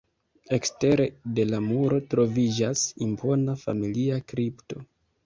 Ekstere de la muro troviĝas impona familia kripto.